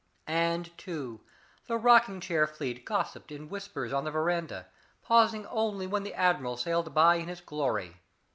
And, too, the rocking chair fleet gossiped in whispers on the veranda, pausing only when the admiral sailed by in his glory.